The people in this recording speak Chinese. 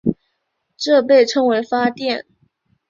这被称为发电。